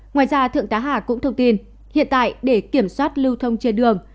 ngoài ra thượng tá hà cũng thông tin hiện tại để kiểm soát lưu thông trên đường